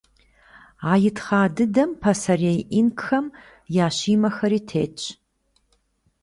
А итхъа дыдэм пасэрей инкхэм я Щимэхэри тетщ.